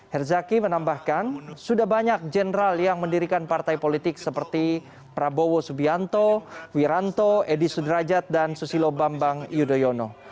herzaki menambahkan sudah banyak general yang mendirikan partai politik seperti prabowo subianto wiranto edi sudrajat dan susilo bambang yudhoyono